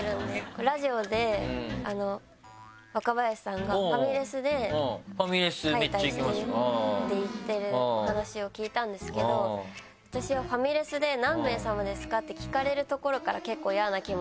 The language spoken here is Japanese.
ラジオで若林さんがファミレスで書いたりしてるって言ってるお話を聞いたんですけど私はファミレスで「何名様ですか？」って聞かれるところから。